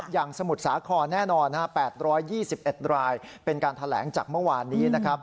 สมุทรสาครแน่นอน๘๒๑รายเป็นการแถลงจากเมื่อวานนี้นะครับ